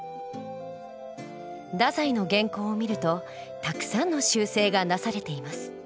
太宰の原稿を見るとたくさんの修正がなされています。